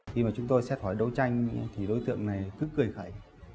khi mà chúng tôi xét hỏi đấu tranh thì đối tượng này cứ cười